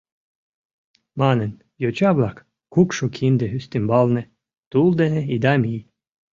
Манын: «Йоча-влак, кукшо кинде ӱстембалне, тул дене ида мий!».